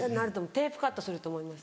テープカットすると思います。